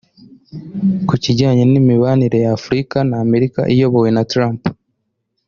Ku kijyanye n’imibanire ya Afurika na Amerika iyobowe na Trump